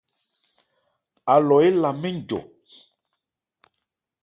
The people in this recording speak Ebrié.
Alɔ éla mɛ́n jɔ.